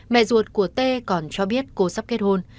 mẹ ruột của t còn cho biết cô sắp kết hôn